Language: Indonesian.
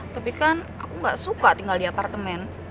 tapi kan aku nggak suka tinggal di apartemen